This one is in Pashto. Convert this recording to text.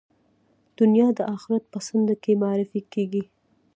دنیا د آخرت په څنډه کې معرفي کېږي.